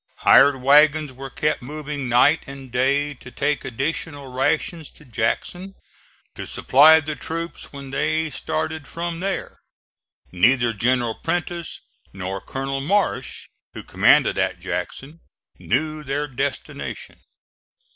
Hired wagons were kept moving night and day to take additional rations to Jackson, to supply the troops when they started from there. Neither General Prentiss nor Colonel Marsh, who commanded at Jackson, knew their destination.